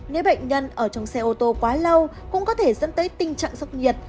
nếu bệnh nhân ở trong xe ô tô quá lâu cũng có thể dẫn tới tình trạng sốc nhiệt